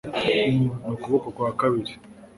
ni ukuboko kwa kabiri